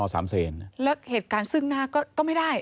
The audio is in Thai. แล้วเหตุการณ์ซึ่งหน้าก็ไม่ได้